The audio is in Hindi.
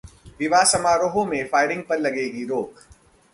विवाह समारोहों में फायरिंग पर लगेगी रोक